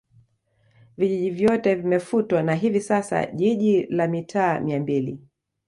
vijiji vyote vimefutwa na hivi sasa jiji lina mitaa mia mbili